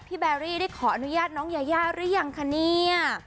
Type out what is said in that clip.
แบรี่ได้ขออนุญาตน้องยายาหรือยังคะเนี่ย